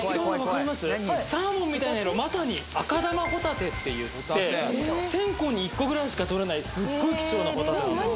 サーモンみたいな色まさに赤玉ホタテっていって１０００個に１個ぐらいしか獲れないすっごい貴重なホタテなんです